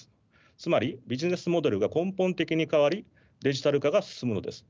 つまりビジネスモデルが根本的に変わりデジタル化が進むのです。